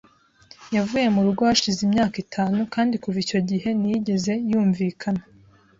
Yavuye mu rugo hashize imyaka itanu, kandi kuva icyo gihe ntiyigeze yumvikana.